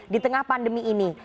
di tengah pandemi ini